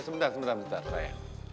sebentar sebentar sebentar sayang